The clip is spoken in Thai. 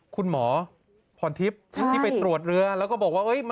คุณหมอพรทิพย์ที่ไปตรวจเรือแล้วก็บอกว่า